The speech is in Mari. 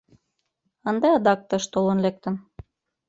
Ынде адак тыш толын лектын.